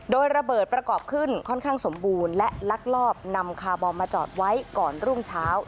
โดยระเบิดประกอบขึ้นค่อนข้างสมบูรณ์และลักลอบนำคาร์บอมมาจอดไว้ก่อนรุ่งเช้า